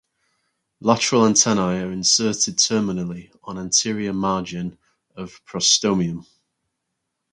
Lateral antennae are inserted terminally on anterior margin of prostomium.